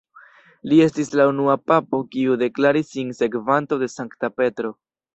Li estis la unua papo kiu deklaris sin sekvanto de Sankta Petro.